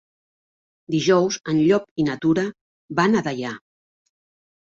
Dijous en Llop i na Tura van a Deià.